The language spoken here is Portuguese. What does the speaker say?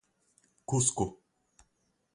Cusco